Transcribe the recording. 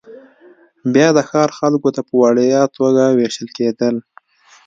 بیا د ښار خلکو ته په وړیا توګه وېشل کېدل